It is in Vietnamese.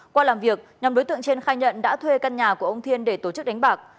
qua làm việc nhóm đối tượng trên khai nhận đã thuê căn nhà của ông thiên để tổ chức đánh bạc